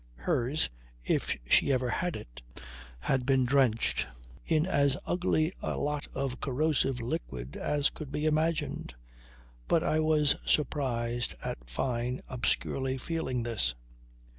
Hers, if she ever had it, had been drenched in as ugly a lot of corrosive liquid as could be imagined. But I was surprised at Fyne obscurely feeling this.